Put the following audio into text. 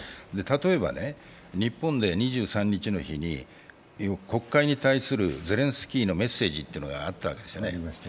例えば日本で２３日に国会に対するゼレンスキー大統領のメッセージというのがあったわけですよね。